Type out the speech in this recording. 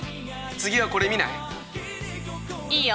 次はこれ見ない？